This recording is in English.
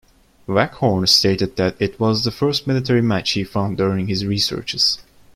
Waghorn stated that it was the first military match he found during his researches.